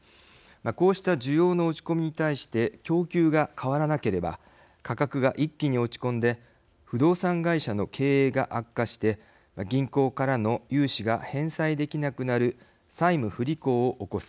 こうした需要の落ち込みに対して供給が変わらなければ価格が一気に落ち込んで不動産会社の経営が悪化して銀行からの融資が返済できなくなる債務不履行を起こす。